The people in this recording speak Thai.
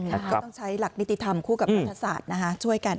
ก็ต้องใช้หลักนิติธรรมคู่กับรัฐศาสตร์ช่วยกัน